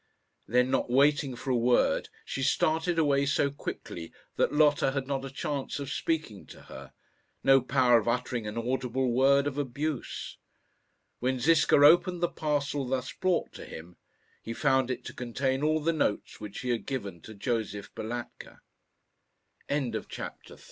Then, not waiting for a word, she started away so quickly that Lotta had not a chance of speaking to her, no power of uttering an audible word of abuse. When Ziska opened the parcel thus brought to him, he found it to contain all the notes which he had given to Josef Balatka. CHAPTER IV When Nin